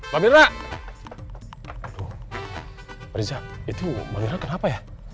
pak rizal itu pak mirna kenapa ya